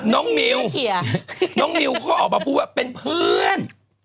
น้องมิวน้องมิวเขาออกมาพูดว่าเป็นเพื่อน